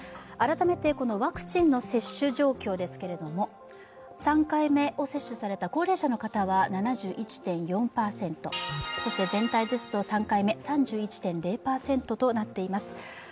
改めて、ワクチンの接種状況ですが３回目を接種された高齢者の方は７１．４％、全体ですと３回目は３１．０％となっています。